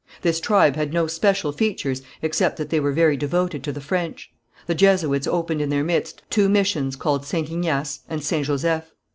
This tribe had no special features except that they were very devoted to the French. The Jesuits opened in their midst two missions called St. Ignace and St. Joseph.